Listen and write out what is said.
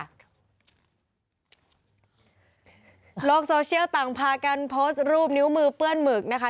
โลกโซเชียลต่างพากันโพสต์รูปนิ้วมือเปื้อนหมึกนะคะ